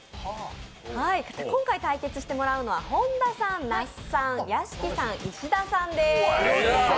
今回対決してもらうのは本田さん、那須さん屋敷さん、石田さんです。